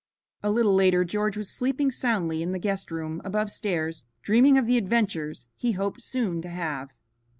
A little later George was sleeping soundly in the guest room above stairs dreaming of the adventures he hoped soon to have.